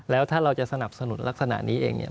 แล้วถ้าเราจะสนับสนุนลักษณะนี้เองเนี่ย